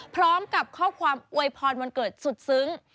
พร้อมกับข้อความอวยพรวันเกิดสุดซึ้ง